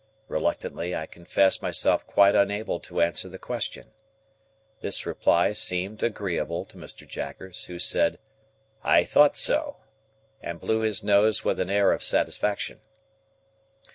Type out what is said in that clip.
Reluctantly, I confessed myself quite unable to answer the question. This reply seemed agreeable to Mr. Jaggers, who said, "I thought so!" and blew his nose with an air of satisfaction.